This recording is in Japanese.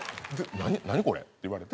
「何？これ」って言われて。